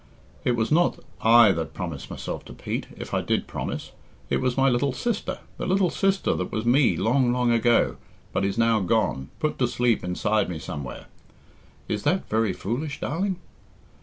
It was not I that promised myself to Pete if I did promise. It was my little sister the little sister that was me long, long ago, but is now gone put to sleep inside me somewhere. Is that very foolish, darling?"